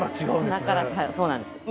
粉から、そうなんです。